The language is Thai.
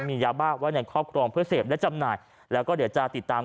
มียาบ้าไว้ในครอบครองเพื่อเสพและจำหน่ายแล้วก็เดี๋ยวจะติดตาม